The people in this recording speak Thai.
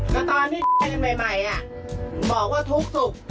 ก็ตอนนี้ใหม่บอกว่าทุกข์สุข